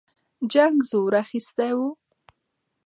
جنګ زور اخیستی وو.